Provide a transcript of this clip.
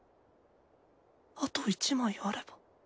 あと１枚あれば。